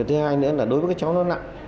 thứ hai nữa là đối với cháu nó nặng